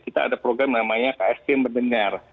kita ada program namanya ksp mendengar